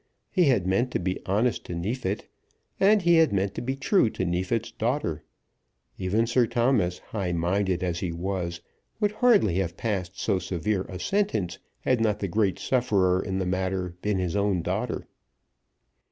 He had meant to be honest to Neefit, and he had meant to be true to Neefit's daughter. Even Sir Thomas, high minded as he was, would hardly have passed so severe a sentence, had not the great sufferer in the matter been his own daughter.